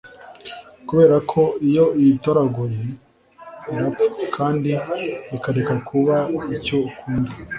Kuberako iyo uyitoraguye, irapfa kandi ikareka kuba icyo ukunda.